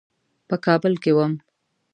په کابل کې وم.